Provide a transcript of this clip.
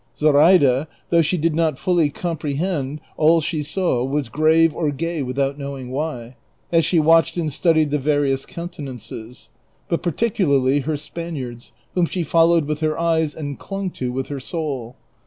Zoraida, though she did not fully comprehend all she saw, was grave or gay without knowing why, as she watched and studied the various countenances, but particularly her Spaniard's, whom she followed with her eyes and clung to with her soul.